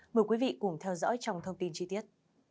mời quý vị cùng theo dõi trong thông tin chi tiết